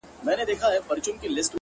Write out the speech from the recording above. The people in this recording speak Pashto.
o زه يې د نوم تر يوه ټكي صدقه نه سومه،